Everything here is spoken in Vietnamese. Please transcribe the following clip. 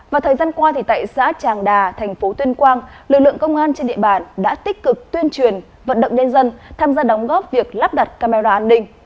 và thời gian qua tại xã tràng đà thành phố tuyên quang lực lượng công an trên địa bàn đã tích cực tuyên truyền vận động nhân dân tham gia đóng góp việc lắp đặt camera an ninh